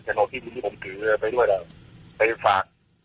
ซึ่งผมถือนะก็เลยไปฝาก